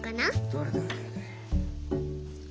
どれどれどれどれ。